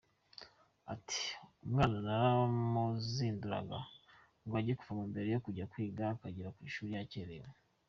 Ati “Umwana naramuzinduraga ngo ajye kuvoma mbere yo kujya kwiga, akagera ku ishuri yakerewe.